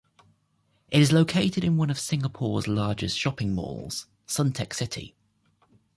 It is located in one of Singapore's largest shopping malls, Suntec City.